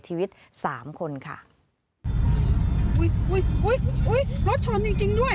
ใช่ใช่